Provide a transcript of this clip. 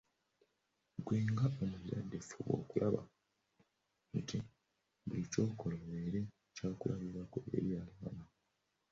Ggwe nga omuzadde fuba okulaba nti buli ky’okola obeera kya kulabirako eri abaana bo.